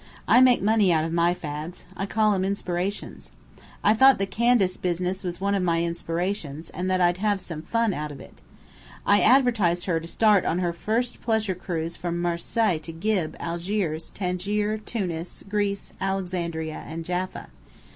I make money out of my fads. I call 'em inspirations. I thought the Candace business was one of my inspirations, and that I'd have some fun out of it. I advertised her to start on her first pleasure cruise from Marseilles to Gib, Algiers, Tangier, Tunis, Greece, Alexandria, and Jaffa.